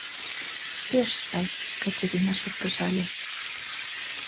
— Пеш сай, — Катерина шыргыжале.